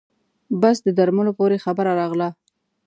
بس د درملو پورې خبره راغله.